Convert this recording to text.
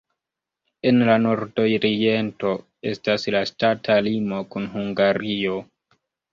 En la nordoriento estas la ŝtata limo kun Hungario.